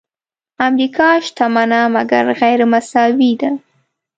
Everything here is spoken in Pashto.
امریکا شتمنه مګر غیرمساوي ده.